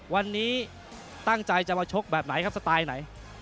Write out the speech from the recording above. วันนี้ตั้งใจจะมาชกแบบไหนครับสไตล์ไหน